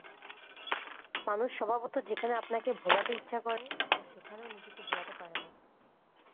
মানুষ স্বভাবত যেখানে আপনাকে ভোলাতে ইচ্ছা করে ও সেখানেও নিজেকে ভোলাতে পারে না।